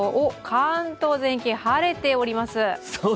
関東全域、晴れております。